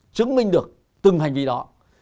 chứng minh được từng hành vi đó